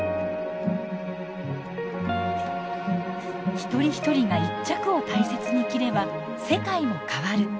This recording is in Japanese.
一人一人が一着を大切に着れば世界も変わる。